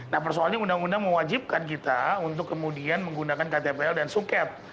nah persoalannya undang undang mewajibkan kita untuk kemudian menggunakan ktpl dan suket